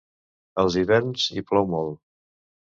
Als hiverns hi plou molt.